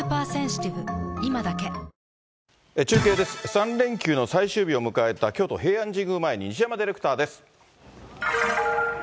３連休の最終日を迎えた京都・平安神宮前に西山ディレクターです。